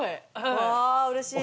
ああうれしい。